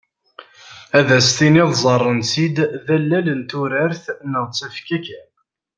Ad as-tiniḍ ẓẓaren-tt-id d allal n turart neɣ d tafekka kan.